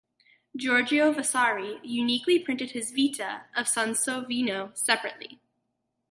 Giorgio Vasari uniquely printed his "Vita" of Sansovino separately.